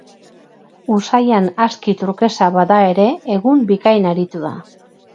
Usaian aski trukesa bada ere, egun bikain aritu da.